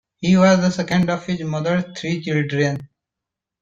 He was the second of his mother's three children.